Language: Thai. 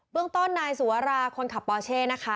เรื่องต้นนายสุวราคนขับปอเช่นะคะ